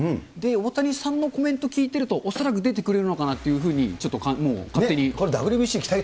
大谷さんのコメント聞いてると、恐らく出てくれるのかなというふうに、ちょっと、これ、ですよね。